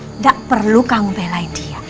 tidak perlu kamu belain dia